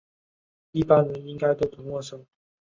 一般人应该都不陌生